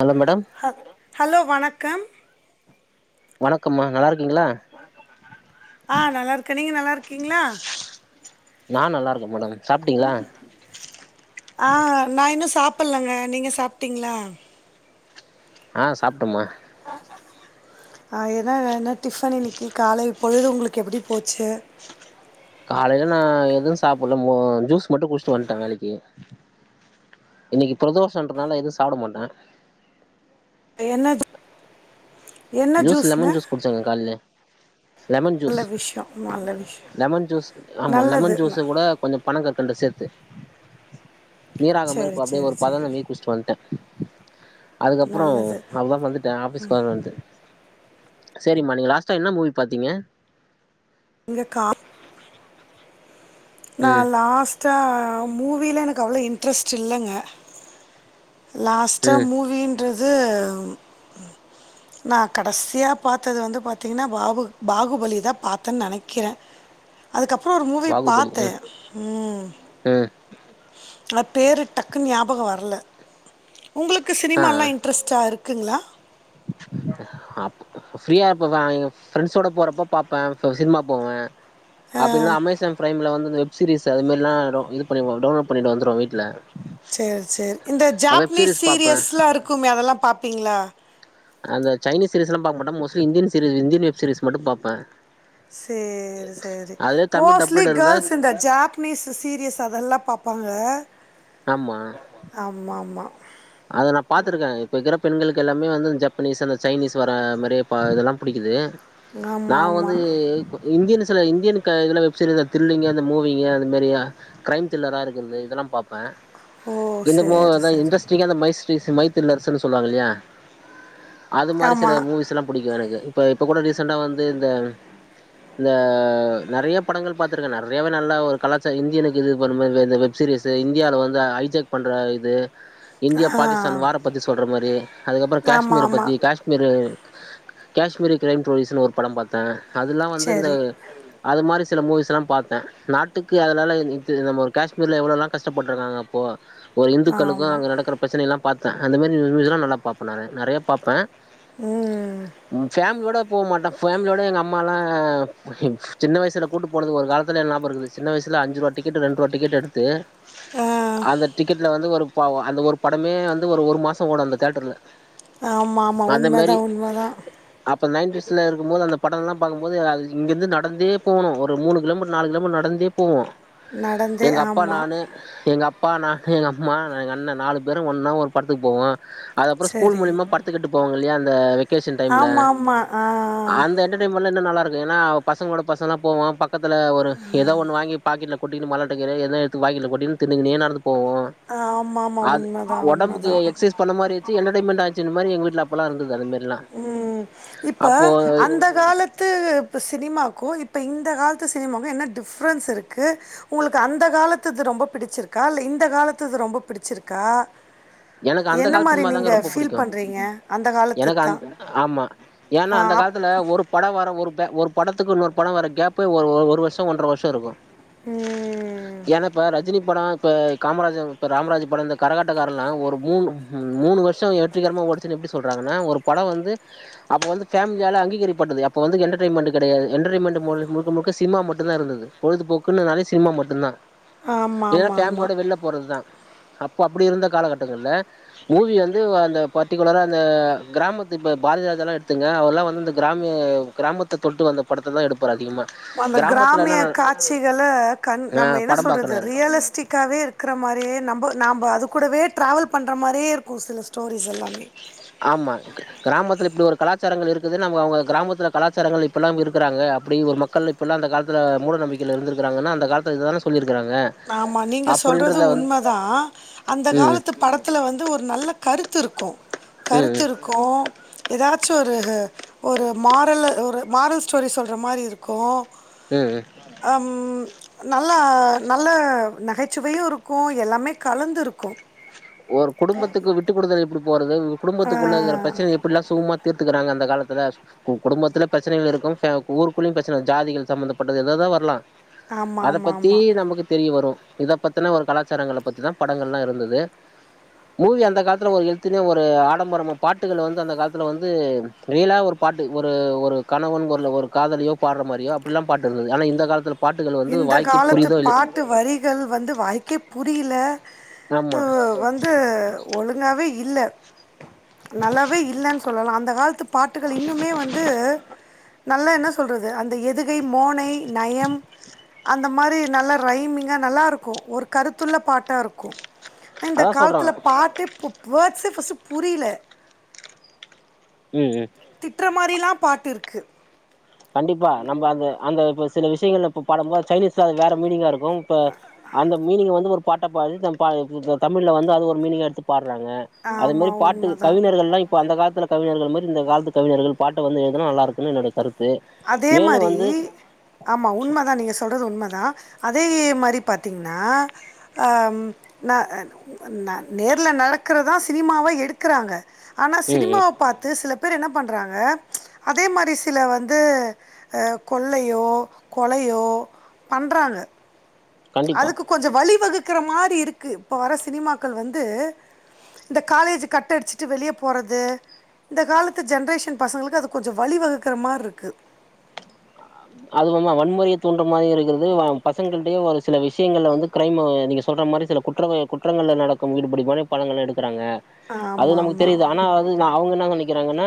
Hello madam ஹ hello வணக்கம் வணக்கம்மா நல்லா இருக்கீங்களா ஆ நல்லா இருக்கே நீங்க நல்லா இருக்கீங்களா நா நல்லா இருக்க மேடம் சாப்ட்டீங்களா ஆ நா இன்னு சாப்பிலங்க நீங்க சாப்ட்டீங்களா ஆ சாப்ட்டமா ஆ எனா என்ன டிஃபன் இன்னிக்கி காலை பொழுது உங்களுக்கு எப்டி போச்சு காலையில நா எதுவு சாப்பிடல ஜூஸ் மட்டும் குடிச்சுட்டு வந்துட்டேன் வேலைக்கி இன்னைக்கி பிரதோஷன்றதுனால எதுவு சாப்டமாட்டே என்னது ஜூஸ்ஸு லெமன் ஜூஸ் குடிச்சங்க கால்லே லெமன்ஜூஸ் நல்ல விஷயோ நல்ல விஷயோ லெமன்ஜூஸ் ஆம்மா நல்லது லெமன்ஜூஸ்ஸுக்கூட கொஞ்சொ பணங்கற்கண்டு சேர்த்து நீராகாம மேர் சேரி அப்டே சேரி ஒரு சேரி பதன மேர் குச்ட்டுவந்துட்டே அதுக்கப்றோ நல்லது அவ்ள்தா வந்துட்ட ஆஃபீஸ்க் வந்து சேரிம்மா நீங்க லாஸ்டா என்ன மூவி பாத்திங்க இங்க கா நா ம் லாஸ்ட்டா மூவில்லா எனக் அவ்ள இன்ட்ரெஸ்ட் இல்லங்க லாஸ்ட்டா ம் மூவீன்றது நா கடஸ்யா பாத்தது வந்து பாத்தீங்ன்னா பாபு பாகுபலிதா பாத்தன் நெனைக்கிற அதுக்கப்ற ஒரு மூவி பாகுபலி பாத்த ம் ம் ம் ஆனா பேரு டக்குன்னு ஞாபக வர்ல உங்களுக்கு ஆ சினிமால்லா இன்ட்ரெஸ்ட்டா இருக்குங்களா அப் அப்ப ஃப்ரீயாருப்பப்ப எங்க ஃப்ரெண்ட்ஸோட போறப்ப பாப்ப சோ சின்மா போவே ஆ, அப்பில்லா அமேசான்பிரைம்ல வந்து இந்த வெப் சீரிஸ்ஸு அதுமேர்லா டோ இது பன்னிருவோ டவுன்லோட் பண்ணிட்டுவ்ந்துருவோ வீட்ல சேர் சேர் இந்த வெப் ஜாப்னீஸ் சீரிஸ் பாப்பே சீரியஸ்லாருக்குமே அதெல்லா பாப்பீங்ளா அந்த சைனீஸ் சீரியஸ்லா பாக்க மாட்டன் mostly Indian series Indian web series மட்டு பாப்ப சேரி சேரி தமிழ் மோஸ்ட்லி டப்டு இருந்தா கேர்ள்ஸ் இந்த ஜாப் ப்னீஸ் சீரியஸ் அதெல்லா பாப்பாங்க ஆம்மா ஆம்ம ஆம்மா அத நா பா்த்துருக்க இப்பக்குற பெண்களுக்கெல்லாமே வந்து ஜப்பனீஸ் அந்த சைனீஸ் வரா மரி ப இதெல்லா புடிக்குது நா ஆமாம் வந்தூ ஆமாம் இந்தியன்ஸ்ல இந்தியனுக்க இதுல வெப்சீரிஸ் த்ரில்லிங்கு அந்த மூவிங்கு அது மெரியா க்ரைம் திரில்லாராருக்கறது இதெல்லா பாப்ப ஓ எங்கமோ சரி அதா சரி இண்ரஸ் பதிக்கி அந்த மைஸ்ரிஸ் மைத்தில்லர்ஸ்னு சொல்லுவாங்கில்லியா அது மாரி சில ஆமாம் மூவிஸ்லாம் புடிக்கு எனக்கு இப்ப இப்ப கூட ரீசண்டா வந்து இந்த இந்த நெறைய படங்கள் பாத்துருக்க நெறையாவே நல்ல ஒரு கலாச்சா இந்தியனுக்கு இது பண்ணுப இது வெப் சீரியஸூ இந்தியால வந்து ஐஜாக் பண்ற இது இந்தியா பாகிஸ்தான் வார பத்தி சொல்ற மாரி அதுக்கப்புற ஆமாம் கேஷ்மீர பத்தி ஆமாம் கேஷ் மிரு காஷ்மிரு க்ரைம் ஸ்டோரிஸ்ன் ஒரு படம் பாத்த அதுல்லா வந்துந்த சரி அதுமாரி சில மூவிஸ்யெல்லா பாத்த நாட்டுக்கு அதுலால இ இத்து நம்ம ஒரு காஷ்மீரில் எவ்ளோல்லா கஷ்டப்பட்ருக்காங்கப் போ ஒரு இந்துக்களுக்கு ஆமாம் அங்க நடக் குற ப்ரச்சனையல்லா பாத்த அந்த மாரி இருந்துச்சுன்னா நல்லா பாப்ப நானு நெறைய பாப்ப அ ஃபேமிலியோட போமாட்ட ஃபேமிலியோட எங்கம்மால்லா சின்ன வய்சுல கூட்டுப்போனது ஒரு காலத்துல எல்ஞாபருக்குது சின்ன வய்சுல அஞ்சுருவா டிக்கெட்டு ரெண்ட்ருவா டிக்கெட்டடுத்து ஆ அந்த டிக்கெட்ல வந்து ஒரு பாவு அந்த ஒரு படமே வந்து ஒரு ஒரு மாசொ ஓடூ அந்த தேட்டருல்ல ஆம்மஆம்மா உண்மதா உண்மதா அப்ப நைன்டிஸ்லருக்கும்மோது அந்த படல்லா பாக்கும்போது இங்கர்ந்து நடந்தே போனு ஒரு மூனு கிலோமீட்ரு நாலு கிலோமீட்ரு நடந்தே போவு நடந்தே எங்கப்பா ஆமாம் நானு எங்கப்பா நானு எங்கம்மா எங்கண்ண நாலு பேரும் ஒன்னா ஒரு படத்துக்கு போவோ அது அப்புற ஸ்கூல் சரி மூலிமா படத்துக்கிட்டு போவங்கில்லியா அந்த வெக்கேஷன் டைம்ல ஆமாம் ஆமாம் ஆ அந்த என்டர் டன்டைம்ல இன்னு நல்லாருக்கு எனா பசங்களோட பசங்களா போவோ பக்கத்துல ஒரு எதோ ஒண்ணு வாங்கி பாக்கெட்ல கொட்டிகினு மல்லாட்டுக்கிற எதோ எடுத்து வாய்க்குல கொட்டிகினு தின்னுக்கினே நடந்து போவோ அ ஆமாமா அது உண்ம ஒடம்புக்கு எக்சைஸ் பண்ண மாரியாச்சு என்டடெய்ன்மென்டாச்சு இநத மாரி எங்க வீட்ல அப்பல்லாருந்துது அதுமார்ல்லா ம் இப்ப அந்த காலத் த்து இப்ப சினிமாக்கும் இப்ப இந்த காலத்து சினிமாக்கும் என்ன டிஃப்ரென்ஸ் இருக்கு உங்களுக்கு அந்த காலத்துது ரொம்ப பிடிச்சிருக்கா இல்ல இந்த காலத்துது ரொம்ப பிடிச்சிருக்கா எனக்கு அந்த என்ன கால மாரி சினிமா நீங்க தாங்க ரொம்ப ஃபீல் புடிக்கு பண்றீங்க அந்த காலத்து எனக்கு அந் தான் ஆமா ஏன்னா ஆ அந்த அப் காலத்துல ஒரு படம் வர ஒரு பே ஒரு படத்துக்கு இன்னொரு படம் வர கேப்பே ஒரு ஒரு வருஷம் ஒன்றரை வருஷம் இருக்கும் ம் ஏனா இப்ப ரஜினி படம் இப்ப காமராஜன் ராமராஜ் படம் இந்த கரகாட்டக்காரல்லான் ஒரு மூணு மூணு வருஷம் வெற்றிகரமா ஓடுச்சுன் எப்படி சொல்றாங்கன்னா ஒரு படம் வந்து அப்போ வந்து ஃபமிலியால் அங்கீகரிப்பட்டது அப்போ வ என்டர்டென்மெண்ட கெடையது என்டர்டையமெண்ட் முழுக்க முழுக்க சினிமா மட்டுந்தா இருந்தது பொழுதுபோக்குன்னுனால சினிமா மட்டுந்தா ஆமா ஏன்னா ஆமா ஆமா ஃபேமிலியோட வெளியில போறதுதா அப்போ அப்டி இருந்த காலகட்டங்கள்ல மூவி வந்து அந்த பர்டிகுலரா அந்த கிராமத்து இப்ப பாரதிராஜாலா எடுத்துங்க அவர்ல்லா வந்து அந்த கிராமிய கிராமத்த தொட்டு வந்த படத்ததா எடுப்பாரு அதிகமா அந்த கிராமத்துல என்ன கிராமிய காட்சிகள கண் ஆ நம்ம என்ன படம் சொல்றது பாக்குனாரு ரியலிஸ்டி க்காவே இருக்கிற மாரியே நம்போ நாம்போ அது கூடவே ட்ராவல் பண்ற மாரியே இருக்கு சில ஸ்டோரிஸ் எல்லாமே ஆமா கிராமத்துல இப்டி ஒரு கலாச்சாரங்கள் இருக்குது நம்போ அவுங்க கிராமத்துல கலாச்சாரங்கள் ப்பல்லாம் இருக்குறாங்க அப்டிங் ஒரு மக்கள் இப்போல்லா அந்த காலத்தில மூட நம்பிக்கைல இருந்துருக்காங்கனா அந்த காலத்தில இததானே சொல்லியிருக்கறாங்க ஆமா நீங்க சொல்றது உண்மதா அந்த ம் காலத்துப் படத்தில வந்து ஒரு நல்ல கருத்து இருக்குன் ம் கருத்து இருக்குன் ஏதாச்சு ஒரு ஒரு மாரலு ஒரு மாரல் ஸ்டோரி சொல்றா மாரி இருக்குன் ம் ம் அம் நல்லா நல்ல நகைச்சுவையு இருக்குன் எல்லாமே கலந்துருக்குன் ஒரு குடும்பத்துக்கு விட்டு குடுத்தல் எப்டி போறது குடும்பத்துக்குள்ளயிருக்க ப்ரச்சனையெல்லா எப்டிலா சுலபமா எப்புல்லா சுமூம்மா தீர்த் க்குறாங்க அந்த காலத்துல உன் குடும்பத்துல ப்ரச்சனைகள் இருக்குன் ப்ஃ ஊருக்குள்ளியு ப்ரச்சன ஜாதிகள் சம்பந்தப்பட்டது ஏதேதோ வர்லா ஆமா அத ஆமா பத்தி ஆமா. நமக்குத் தெரியவருன் இத பத்தனா ஒரு கலாச்சாரங்கள பத்திதா படங்கள்லா இருந்துது மூவி அந்த காலத்துல ஒரு எழுத்துலியோ ஒரு ஆடம்பரமு பாட்டுகள் வந்து அந்த காலத்துல வந்து ரியலாவுரு பாட்டு ஒரு ஒரு கணவன் ஒரு ஒரு காதலியோ பாட்ற மாரியோ அப்பில்லா பாட்டு இருந்தது ஆனா இந்த காலத்துல பாட்டுகள் வந்து வாய்க்கு புரிதோ இல்லியோ ட்டு வரிகள் வந்து வாய்க்கே புரிலே வ ஆமா வந்து ஒழுங்காவே இல்ல நல்லாவே இல்லன் சொல்லலான் அந்த கால்த்து பாட்டுகள் இன்னுமே வந்து நல்லா என்ன சொல்றது அந்த எதுகை மோனை நயம் அந்த மாரி நல்லா ரைமிங்கா நல்லாருக்குன் ஒரு கருத்துள்ள பாட்டா இருக்குன் இந்த அதா கால்த்துல சொல்றாங்க பாட்டே ப்பு வேட்சே ஃபர்ஸ்ட் புரில ம் ம் திட்ற மாரிலா பாட்டு இருக்கு கண்டிப்பா நம்ம அந்த அந்த இப்ப சில விஷயங்கள்ல இப்ப பாடம்போ சைனீஸ்ல அது வேற மீனிங்கா இரு க்கு இப்ப அந்த மீனிங் வந்து ஒரு பாட்டா பாடி தம் பா இந்த இந்த தமிழ்ல வந்து அது ஒரு மீனிங்கா எடுத்து பாட்றாங்க அது ஆமா மாரி பாட்டு உண்மதான். கவிஞர்கள்லா இப் ப அந்த காலத்துல கவிஞர்கள் மாரி இந்த காலத்து கவிஞர்கள் பாட்ட வந்து எழுனா நல்லா இருக்குனு என்னுடைய கருத்து அதே மேலு மாரி வந்து ஆமா உண்மதா நீங்க சொல்றது உண்மதா அதே மாரி பாத்தீங்னா அ ந ந நேர்ல நடக்றதா சினிமாவா எடுக்றாங்க ஆனா ம் ம் சினிமாவ பாத்து சில பேர் என்ன பண்றாங்க அதே மாரி சில வந் து அ கொள்ளையோ கொலையோ பண்றாங்க கண்டிப்பா அதுக்கு கொஞ்சோ வழி வகுக்கற மாரி இருக்கு இப்ப வர சினிமாக்கள் வந்து இந்த காலேஜி கட்டு அடுச்சிட்டு வெளிய போறது இந்த காலத்து ஜென்ரேஷன் பசங்ளுக்கு அது கொஞ்சோ வழி வகுக்குறா மார்ருக்கு அதுவம்மா வன்முறைய தூன்ற மாரியு இருக்கற்து வ பசங்கள்டியு ஒரு சில விஷியங்கள்ல வந்து க்ரைமு நீங்க சொல்ற மாரி சில குற்றங்கள் குற்றங்கள்ல நடக்கு ஈடுபடியுமான படங்கள்ல எடுக்குறாங்க ஆமா ஆமா ம் அவுங்க என்னா நனைக்கறாங்கனா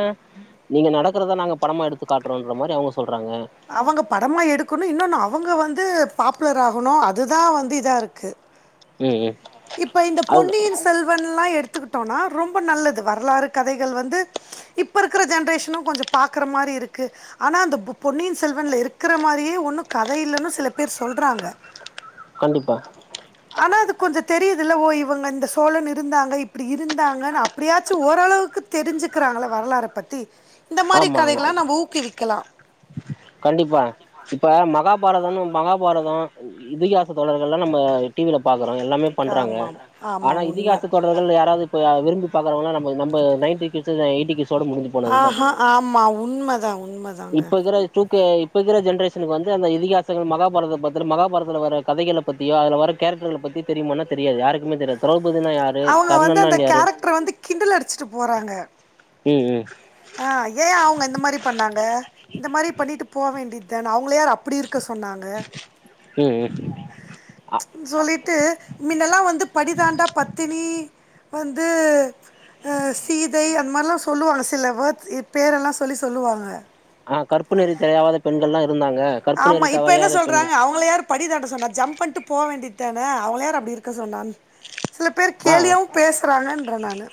நீங்க நடக்கறத நாங்க படமா எடுத்து காட்றோன்ற மாரி அவுங்க சொல்றாங்க அவங்க படமா எடுக்குணு இன்னொன்னு அவங்க வந்து பாப்புலர் ஆகணு அது தா வந்து இதா இருக்கு ம் ம் இப்ப இந்த அது பொன்னியின் செல்வன்லா எடுத்துக்கிட்டோனா ரொம்போ நல்லது வரலாறு கதைகள் வந்து இப்ப இருக்கிற ஜென்ரேஷ்னு கொஞ்சோ பாக்கற மாரி இருக்கு ஆனா அந்த பு பொன்னியின் செல்வன்ல இருக்கற மாரியே ஒன்னு கத இல்லன்னு சில பேர் சொல்றாங்க கண்டிப்பா ஆனா அது கொஞ்ச தெரியுதுல ஓ இவுங்க இந்த சோழன் இருந்தாங்க இப்பிடி இருந்தாங்கன்னு அப்டியாச்சு ஓரளவுக்கு தெரிஞ்சுக்கிறாங்கள வரலாற பத்தி இந்த மாரி ஆமா ஆமா கதைகளா நம்ம ஊக்குவிக்கலா கண்டிப்பா இப்ப மகாபாரதனு மகாபாரதோ இதிகாச தொடர்கள் எல்லா நம்ப டி வில பாக்குறோ எல்லாமே பண்றாங்க ஆமாம் ஆனா ஆமாம் உண்மை இதிகாச தொடர்கள் யாராவது இப்ப விரும்பி பாக்கறவங்களா நம்ப நம்ப நைன்டீ‌ கிட்ஸ் [unintelligible] எயிட்டி கிட்ஸோட முடுஞ்சு போனது தா ஆஹா ஆமா உண்மதா உண்மதாங்க இப்ப இருக்கிற டூ கே இப்ப இருக்கற ஜென்ரேஷனுக்கு வந்து அந்த இதிகாசங்கள் மகாபாரதபத்தர மகாபாரத்துல வர கதைள பத்தியோ அதுல வர கேரக்டர்கள பத்தி தெரியுமான தெரியாது யாருக்குமே தெரியாது த்ரௌபதினா யார் அவுங்க வந்து அந்த கேரக்டர வந்து கிண்டல் அடிச்சிட்டு போறாங்க ம் ம் ஆ ஏ அவுங்க இந்த மாரி பண்ணாங்க இந்த மாரி பண்ணிட்டு ப வேண்டியது தான அவுங்கள யார் அப்படி இரு க்க சொன்னாங்க ம் ம் சொல்லிட்டு மின்னல்லா வந்து படிதாண்டா பத்தினி வந்து அ சீதை அந்த மார்லா சொல்லுவாங்க சில வேர்ட்ஸ் பேரெல்லா சொல்லி சொல்லுவாங்க ஆ கற்ப்பு நெறி தெரியவாத பெண்கள்லா இருந்தாங்க கற்பு ஆமா நெறி இப்ப என்ன தவறியாத சொல்றாங்க பெண்கள் அவுங்கள யார் படிதாண்ட சொன்ன ஜம்ப் பண்ட்டு போ வேண்டிதான அவுங்கள யார் அப்டி இருக்க சொன்னான் சில பேர் ஆ கேளியாவு பேசறாங்கன்ற நானு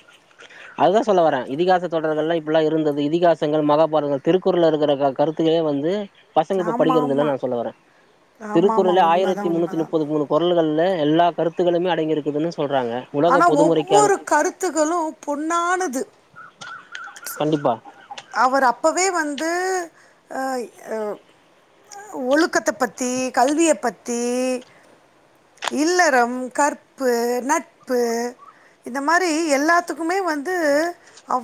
அதுதா சொல்ல வரேன் இதிகாச தொடர்கள் இப்பல்லா இருந்தது இதிகாசங்கள் மகாபாரத திருக்குறள்ல இருக்கிற க கருத்து கல வந்து பசங்க இப்ப ஆமா படிக்கிறது இல்ல ஆமா நா சொல்ல வரே ஆமா ஆமா திருக்குறள் உண்மதா ஆயிரத்தி முன்னூத்தி உண்மதா முப்பது மூணுக் குறள்கள்ல எல்லா கருத்துக்களுமே அடங்கியிருக்குதுன்னு சொல்றாங்க உலக ஆனா பொதுமுறைக்கான ஒவ்வொரு கருத்துகளு பொண்ணானது கண்டிப்பா அவர் அப்பவே வந்து ஆ ய் அ ஒழுக்கத்த பத்தி கல்விய பத்தி இல்லறம் கற்பு நட்பு இத மாரி எல்லாத்துக்குமே வந்து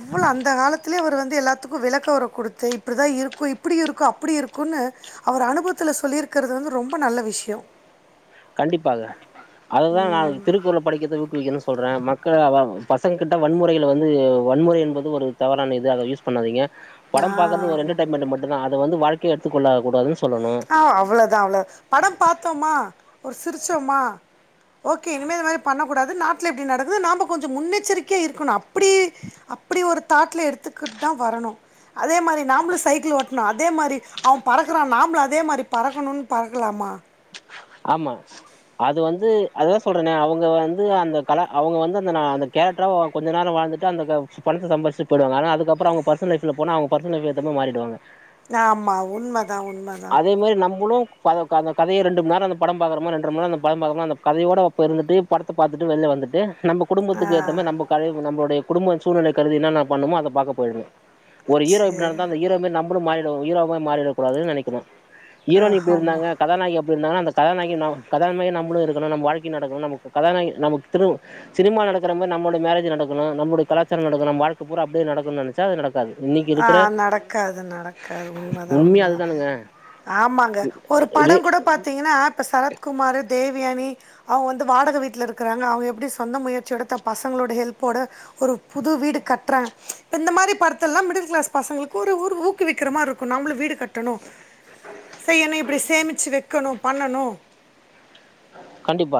எவ்ளோ அந்த காலத்துலே அவர் வந்து எல்லாத்துக்கு விளக்க உர குடுத்து இப்டி தா இருக்கு இப்டி இருக்கு அப்டி இருக்குன்னு அவரு அனுபவத்துல சொல்லிருக்கறது வந்து ரொம்ப நல்ல விஷ்யோ கண்டிப்பாக அததா நானு திருக்குறள படிக்கிறத ஊக்குவிக்கணு சொல்றே மக்கள் வ பசங்கிட்ட வன்முறைகளை வந்து வன்முறை என்பது ஒரு தவறான இது அத யூஸ் பண்ணாதீங்க படம் ஆ பாக்கறது ஒரு என்டடெயின்மென்ட் மட்டுந்தா அத வந்து வாழ்க்கையா எடுத்துகொள்ளா கூடாதுன் சொல்லணு ஆ அவ்ளோதா அவ்ளோ படம் பாத்தோமா ஒரு சிரிச்சோமா ஓகே இனிமே இந்த மாரி பண்ண கூடாது நாட்ல இப்டி நடக்குது நாம கொஞ்ச முன்னெச்சரிக்கையா இருக்கணு அப்டி அப்டி ஒரு தாட்ல எடுத்துக்கிட் தா வரணு அதே மாரி நாம்பளு சைக்கிள் ஓட்ணு அதே மாரி அவ பறக்கறானா நாம்ளு அ தே மாரி பறக்கணுன் பறக்கலாமா ஆமா அது வந்து அதா சொல்றேனே அவுங்க வந்து அந்த கல அவுங்க வந்து அந்த ந அந்த கேரக்டாரா கொஞ்ச நேரோ வாழ்ந்துட்டு அந்த ப பணத்த சம்பாரிச்சுட் போயிடுவாங்க ஆனா அதுக்கப்றோ அவுங்க பர்சனல் லைஃப்ல போனா அவு பர்சனல் லைஃப் ஏத்த மாரி மாறிடுவாங்க ஆமா உண்மதா உண்மதா அதே மாரி நம்புளு பத அந்த கதைய ரெண்டு மண் நேரோ படம் பாக்காரமா ரெண்ர மண் நேரோ அந்த படம் பாக்கறமா அந்த கதையோடப்ப இருந்துட்டு படத்த பாத்துட்டு வெளில வந்துட்டு நம்ம ஆ குடும்பத்துக்கு ஏத்த மாரி நம்ப கழ நம்ளுடைய குடும்போ சூழ்நிலை கருதி என்னென்ன பண்ணுமோ அத பாக்க போயிர்ணு ஒரு ஹீரோ எப்டி சேரி நடந்த அந்த ஹீரோ மாரி நம்பாலு மாறிடக்கூ ஹீரோ மாறி மாறிட கூடாதுன் நெனைக்கணு ஆ ஹீரோனி இப்டி ஆமா இருந்தாங்க கதநாயகி அப்டி இருந்தாங்கனா அந்த கதாநாயகி என்னாகு கதா மாரி நம்புளு இருக்கணு நம்ம வாழ்க்கை நடக்கணு நமக்கு கதாநாயகி நமக்கு திரும் சினிமா நடக்கற மாரி நம்மளுடைய மேரேஜ் நடக்கணு நம்முடைய கலாச்சாரோ நடக்கு நம்ம வாழ்க்க பூரா அப்டியே நடக்கணு நெனச்சா அது நடக்காது இன்னைக்கு ஆ இருக்கிற நடக்காது நடக்காது உண்மதா உண்மையா உண்மதா அதுதானுங்க ஆமாங்க ஒரு இது படம் கூட பாத்தீங்கன்னா இப்ப சரத்குமாரு தேவயானி அவுங்க வந்து வாடக வீட்ல இருக்கிறாங்க அவுங்க எப்டி சொந்த முயற்சியோட தம் பசங்களோட ஹெல்ப்போட ஒரு புது வீடு கட்டுறே இது இந்த மாரி படத் ல்லா மிடில் க்ளாஸ் பாசங்களுக்கு ஒரு ஊர் ஊக்குவிக்கிரமா இருக்கு நம்மளு வீடு கட்டணு செய் என்ன இப்டி சேமிச்சு வெக்கணு பண்ணணு கண்டிப்பா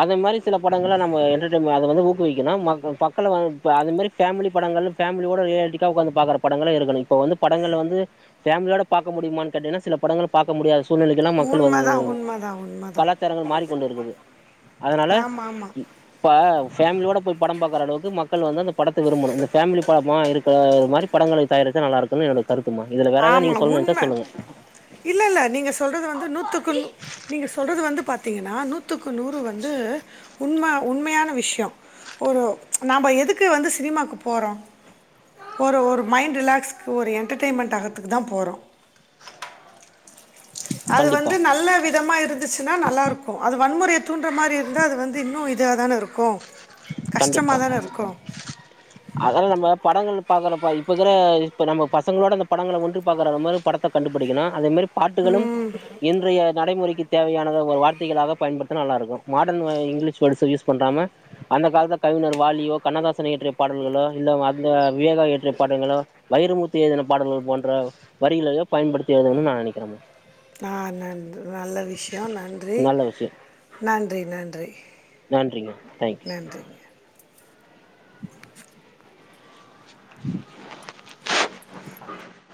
அது மாரி சில படங்கள நம்ம என்டர்டெய்ன்ம அத வந்து ஊக்குவிக்கணு மக்க மக்கள இப்ப அது மாரி ஃபேமிலி படங்கள் ஃபமிலியோட ரியாலிட்டிக்காக உக்காந்து பாக்கற படங்களு இருக்குணு இப்போ வந்து படங்கள்ல வந்து பேஃமிலியோட பாக்க முடியுமான் கேட்டீனா சில படங்கள் பாக்க முடியாத சுழ்நிலைகள்லா மக்கள் வந்து உண்ம தா உண்ம கலாச்சாரங்கள் மாறிக் கொண்டு இருக்குது அதனால ஆமாம் ஆமாம் இப்ப ஃபேமிலியோட போய் படம் பாக்கறளவுக்கு மக்கள் வந்து அந்த படத்த விரும்பணு இந்த ஃபேமிலி படமா இருக்கிற மாரி படங்களை தயாரிச்சா நல்லாருக்குணு எனக் கருத்துமா இதுல வேற எதாவது நீங்க சொல்லணு நெனச்சா சொல்லுங்க இல்ல இல்ல நீங்க சொல்றது வந்து நூத்துக்கு நூ நீங்க சொல்றது வந்து பத் பாத்தீங்கனா நூத்துக்கு நூறு வந்து உண்ம உண்மையான விஷ்யோ ஒரு நம்ப எதுக்கு வந்து சினிமாக்கு போறோ ஒரு ஒரு மைண்ட் ரிலாக்ஸ்க்கு ஒரு என்டர்டெயின்மெண்ட் ஆகத்துக்கு தா போறோ அது கண்டிப்பா வந்து நல்ல விதமா இருந் துச்சுன்னா நல்லாருக்கு அது வன்முறய தூண்டுற மாரி இருந்தா அது வந்து இன்னு இதா தான இருக்கு கண்டிப்பா அதால நம்ம படங்கள் பாக்குறப்ப இப்பக்கிற இப்ப நம்ம பசங்களோட அந்த படங்கள ஒன்றி பாக்குற அந்த மாதிரி பட த்த கண்டுபிடிக்கணு அதே மாரி பாட்டுகளும் இன் இன்றைய நடைமுறைக்கு தேவையானத ஒரு வார்த்தைகளாக பயன்படுத்தினா நல்லா இருக்கு மாடர்ன் வ இங்கிலீஷ் வேர்ட்ஸ்ச யூஸ் பண்றாம அந்த காலத்த கவிஞர் வாலியோ கண்ணதாசன் இயற்றிய பாடல்களோ இல்ல அந்த விவேகா இயற்றிய படங்களோ வைரமுத்து எழுதின பாடல்கள் போன்ற வரிகளையே பயன்படுத்தி எழுதன்னு நா நெனைக்கிறேமா ஆ நன்று நல்ல விஷ்யோ நன்றி நல்ல விஷயம் நன்றி நன்றி நன்றிங்க தேங்க் யூ நன்றிங்க உஹ